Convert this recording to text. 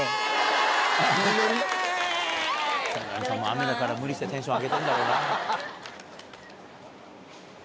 雨だから無理してテンション上げてるんだろうな。